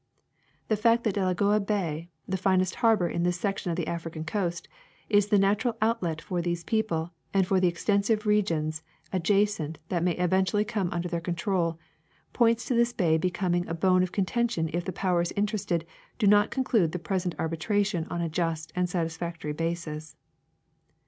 The fact that Delagoa bay, the finest harbor on this section of the African coast, is the natural outlet for these people and for the extensive regions adjacent that may eventually come under their control, points to this bay becoming a bone of con tention if the i30wers interested do not conclude the present arbitration on a just and satisfactory basis.